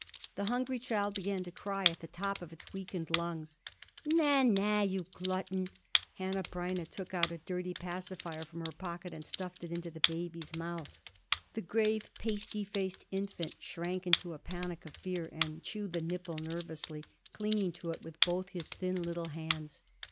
The hungry child began to cry at the top of its weakened lungs. "Na, na, you glutton." Hanneh Breineh took out a dirty pacifier from her pocket and stuffed it into the baby's mouth. The grave, pasty faced infant shrank into a panic of fear, and chewed the nipple nervously, clinging to it with both his thin little hands.